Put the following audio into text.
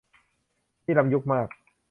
นี่ล้ำยุคมาก